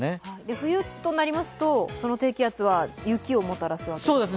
冬となりますと、その低気圧は雪をもたらすわけですか？